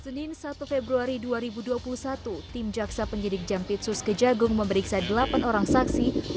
senin satu februari dua ribu dua puluh satu tim jaksa penyidik jampitsus kejagung memeriksa delapan orang saksi